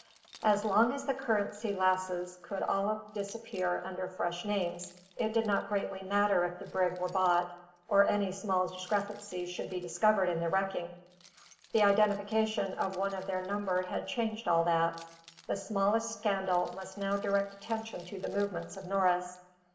As long as the Currency Lasses could all disappear under fresh names, it did not greatly matter if the brig were bought, or any small discrepancies should be discovered in the wrecking. The identification of one of their number had changed all that. The smallest scandal must now direct attention to the movements of Norris.